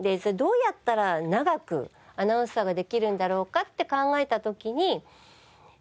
どうやったら長くアナウンサーができるんだろうかって考えた時に。